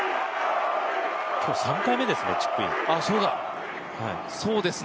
今日３回目ですね、チップイン。